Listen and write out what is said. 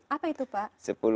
apa itu pak